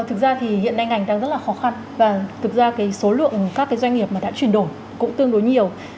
thực ra thì hiện nay ngành đang rất là khó khăn và thực ra số lượng các doanh nghiệp đã chuyển đổi cũng tương đối nhiều